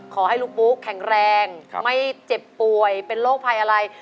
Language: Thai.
ขอให้ลุงปุ๊กแข็งแรงไม่เจ็บป่วยเป็นโรคภัยอะไร